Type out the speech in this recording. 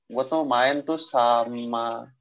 gue tuh main tuh sama